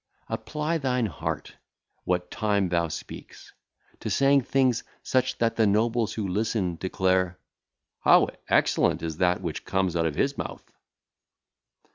Apply thine heart, what time thou speakest, to saying things such that the nobles who listen declare, 'How excellent is that which cometh out of his mouth!'